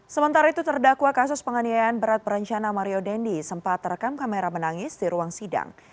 sementara itu terdakwa kasus penganiayaan berat perencana mario dendi sempat terekam kamera menangis di ruang sidang